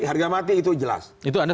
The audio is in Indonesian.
harga mati itu jelas itu anda